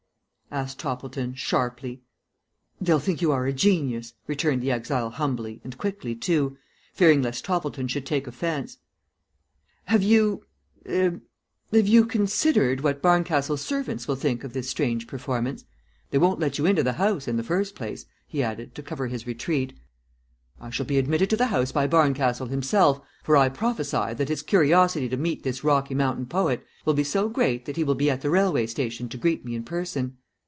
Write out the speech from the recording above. asked Toppleton, sharply. "They'll think you are a genius," returned the exile humbly and quickly too, fearing lest Toppleton should take offence. "Have you er have you considered what Barncastle's servants will think of this strange performance? They won't let you into the house, in the first place," he added, to cover his retreat. "I shall be admitted to the house by Barncastle himself; for I prophesy that his curiosity to meet this Rocky Mountain poet will be so great that he will be at the railway station to greet me in person.